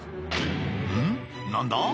何だ？